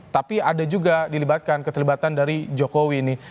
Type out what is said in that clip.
tapi ada juga dilibatkan keterlibatan dari jokowi ini